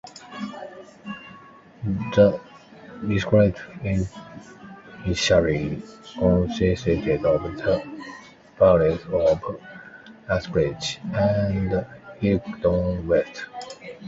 The district initially consisted of the parishes of Uxbridge and Hillingdon West.